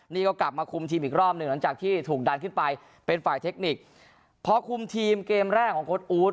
นี่ก็กลับมาคุมทีมอีกรอบหนึ่งหลังจากที่ถูกดันขึ้นไปเป็นฝ่ายเทคนิคพอคุมทีมเกมแรกของโค้ดอู๊ด